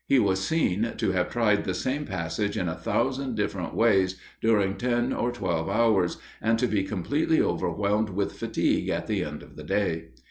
He was seen to have tried the same passage in a thousand different ways during ten or twelve hours, and to be completely overwhelmed with fatigue at the end of the day.